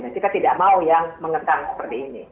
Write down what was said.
dan kita tidak mau yang mengetahui seperti ini